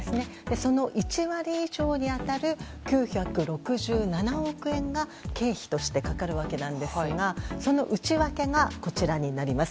その１割以上に当たる９６７億円が経費としてかかるわけですがその内訳がこちらになります。